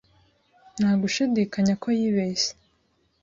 Nta gushidikanya ko yibeshye.